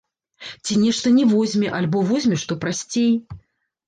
Ці нешта не возьме, альбо возьме што прасцей.